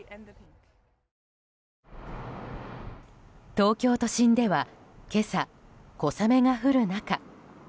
東京都心では今朝小雨が降る中。